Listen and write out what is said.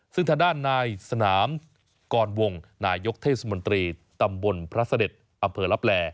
ซึ่งทางด้านนายสนามกรวงนายกเทศมนตรีตำบลพระเสด็จอำเภอลับแล